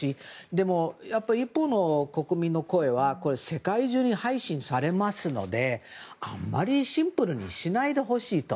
でも、一方の国民の声は世界中に配信されますのであんまりシンプルにしないでほしいと。